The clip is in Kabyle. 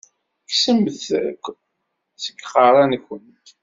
Kksemt-t akk seg iqeṛṛa-nkent!